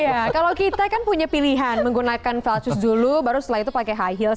iya kalau kita kan punya pilihan menggunakan veltus dulu baru setelah itu pakai high heels